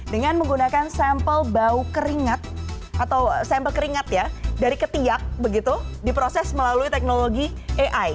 dengan menggunakan sampel bau keringat atau sampel keringat ya dari ketiak begitu diproses melalui teknologi ai